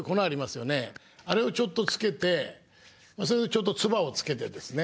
あれをちょっとつけてそれでちょっと唾をつけてですね